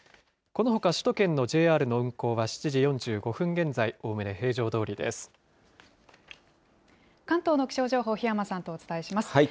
このほか首都圏のＪＲの運行は７時４５分現在、関東の気象情報、檜山さんとお伝えします。